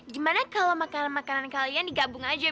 gimana kalau makanan makanan kalian digabung aja